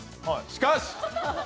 しかし！